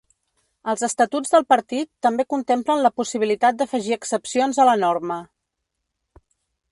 Els estatuts del partit també contemplen la possibilitat d’afegir excepcions a la norma.